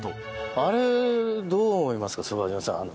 あれ、どう思いますか？